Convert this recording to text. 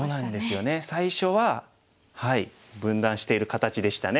最初は分断している形でしたね。